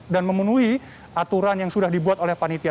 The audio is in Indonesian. dan memenuhi aturan yang sudah dibuat oleh panitia